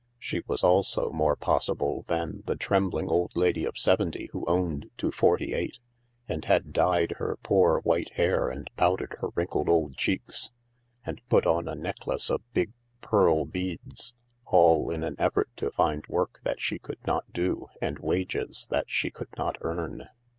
She was also more possible than the trembling old lady of seventy who owned to forty eight, and had dyed her poor white hair and powdered her wrinkled old cheeks, and put on a necklace of big pearl beads, all in the effort to find work that she could not do and wages that she could not earn.